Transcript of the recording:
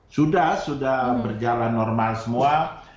sudah sudah berjalan normal semua